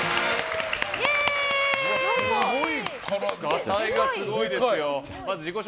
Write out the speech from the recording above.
ガタイがすごいですよ。